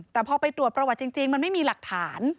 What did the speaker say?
แต่พอไปตรวจประวัติจริงมันไม่มีหลักฐาน